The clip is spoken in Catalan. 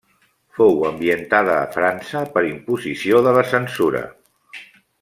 Fou ambientada a França per imposició de la censura.